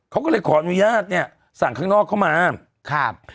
เขาก็เลยขออนุญาตเนี้ยสั่งข้างนอกเข้ามาครับ